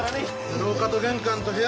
廊下と玄関と部屋。